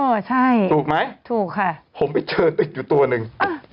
ใช่ถูกไหมถูกค่ะผมไปเจอตึกอยู่ตัวหนึ่ง